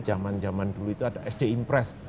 zaman zaman dulu itu ada sd impress